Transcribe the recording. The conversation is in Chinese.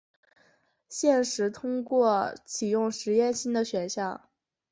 现时通过启用实验性的选项。